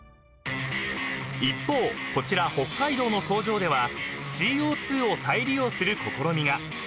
［一方こちら北海道の工場ではＣＯ２を再利用する試みが］